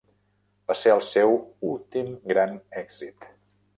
Va ser el seu últim gran èxit.